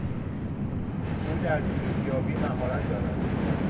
او در دوستیابی مهارت دارد.